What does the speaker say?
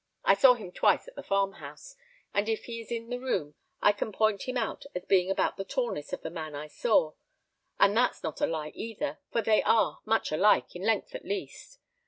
I saw him twice at the farmhouse, and if he is in the room, I can point him out as being about the tallness of the man I saw; and that's not a lie either, for they are much alike, in length at least.